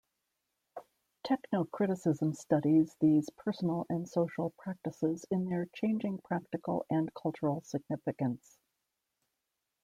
Technocriticism studies these personal and social practices in their changing practical and cultural significance.